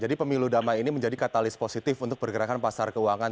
jadi pemilu damai ini menjadi katalis positif untuk pergerakan pasar keuangan